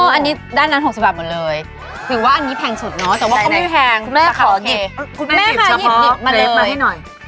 โอ้อันนี้ด้านนั้น๖๐บาทหมดเลย